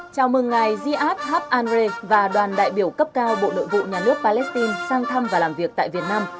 chào mừng ngày ziad hab andre và đoàn đại biểu cấp cao bộ đội vụ nhà nước palestine sang thăm và làm việc tại việt nam